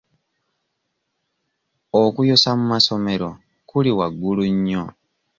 Okuyosa mu masomero kuli waggulu nnyo.